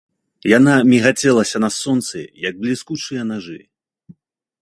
Яна мігацелася на сонцы, як бліскучыя нажы.